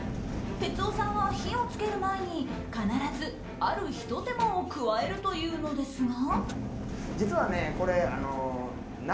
哲夫さんは火を付ける前に必ずあるひと手間を加えるというのですが。